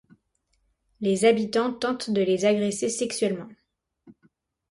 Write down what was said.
Les habitants tentent de les agresser sexuellement.